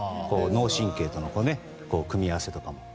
脳神経との組み合わせとかも。